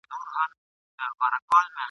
ګیله من یم !.